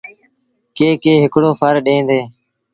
ڪي ڪي هڪڙو ڦر ڏيݩ ديٚݩ۔